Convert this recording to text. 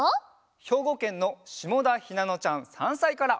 ひょうごけんのしもだひなのちゃん３さいから。